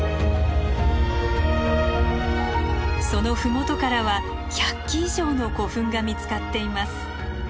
その麓からは１００基以上の古墳が見つかっています。